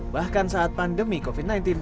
bahkan saat pandemi covid sembilan belas